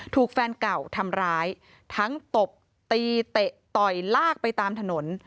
ถูกแฟนเก่าทำร้ายทั้งตบตีเตะต่อยลากไปตามถนน